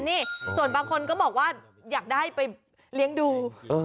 นี่ส่วนบางคนก็บอกว่าอยากได้ไปเลี้ยงดู